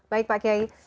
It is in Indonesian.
baik pak kyai